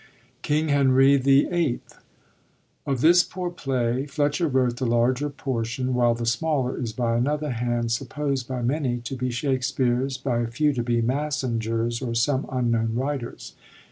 King Henry VIII.— Of this poor play, Fletcher wrote the larger portion, while the smaller is by another hand, supposed by many to be Bhakspere^s, by a few to be Massinger's or some unknown writer's.